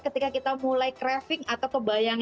ketika kita mulai craving atau kebayang